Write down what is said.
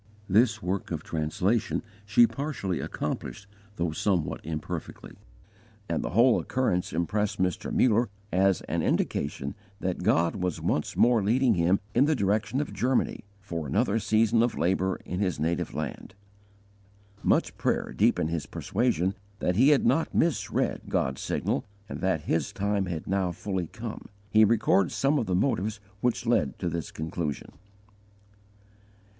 This work of translation she partially accomplished, though somewhat imperfectly; and the whole occurrence impressed Mr. Muller as an indication that God was once more leading him in the direction of Germany, for another season of labour in his native land. Much prayer deepened his persuasion that he had not misread God's signal, and that His time had now fully come. He records some of the motives which led to this conclusion.